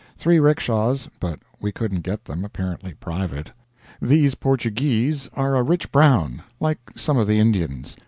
Three 'rickshas, but we couldn't get them apparently private. These Portuguese are a rich brown, like some of the Indians.